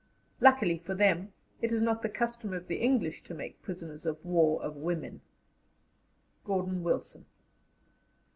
Luckily for them, it is not the custom of the English to make prisoners of war of women. "GORDON WILSON."